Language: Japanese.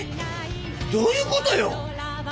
どういうことよ！？